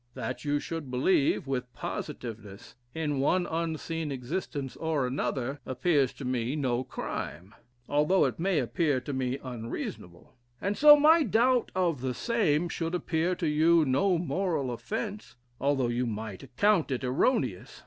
That you should believe, with positiveness, in one unseen existence or another, appears to me no crime, although it may appear to me unreasonable; and so, my doubt of the same should appear to you no moral offence, although you might account it erroneous.